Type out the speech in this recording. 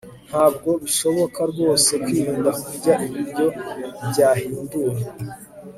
Ntabwo bishoboka rwose kwirinda kurya ibiryo byahinduwe